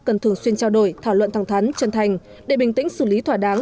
cần thường xuyên trao đổi thảo luận thẳng thắn chân thành để bình tĩnh xử lý thỏa đáng